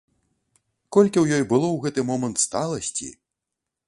Колькі ў ёй было ў гэты момант сталасці!